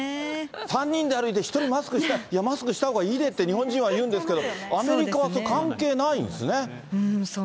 ３人で歩いて、１人マスクしてなかったから、マスクしたほうがいいでって、日本人は言うんですけれども、アメリカはそれ、関係ないんですね。